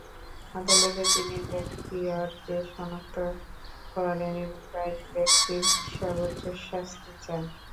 আদালতে তিনি বখতিয়ারকে শনাক্ত করেন এবং দায়ী ব্যক্তির সর্বোচ্চ শাস্তি চান।